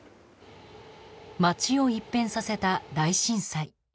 街を一変させた大震災。